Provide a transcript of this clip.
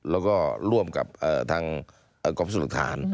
แล้วก็ร่วมกับทางกรัฟสรุขฐาน